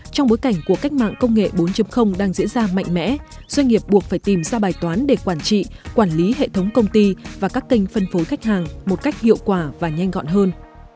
trong bối cảnh của cách mạng công nghệ bốn đang diễn ra mạnh mẽ doanh nghiệp buộc phải tìm ra bài toán để quản trị quản lý hệ thống công ty và các kênh phân phối khách hàng một cách hiệu quả và nhanh gọn hơn